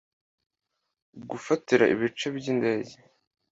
Gufatira ibice by indege